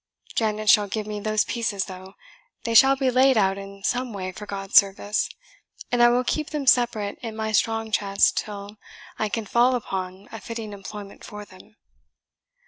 Janet shall give me those pieces though; they shall be laid out in some way for God's service, and I will keep them separate in my strong chest, till I can fall upon a fitting employment for them.